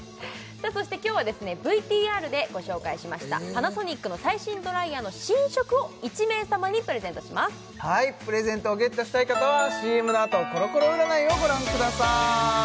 そして今日はＶＴＲでご紹介しましたパナソニックの最新ドライヤーの新色を１名様にプレゼントしますプレゼントをゲットしたい方はＣＭのあとコロコロ占いをご覧ください